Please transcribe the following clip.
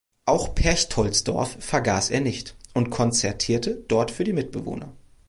Auch Perchtoldsdorf vergaß er nicht und konzertierte dort für die Mitbewohner.